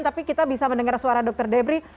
tapi kita bisa mendengar suara dr debri